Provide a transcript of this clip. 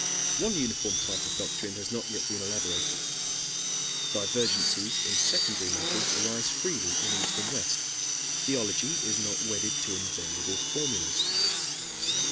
One uniform type of doctrine has not yet been elaborated; divergencies in secondary matters arise freely in East and West; theology is not wedded to invariable formulas.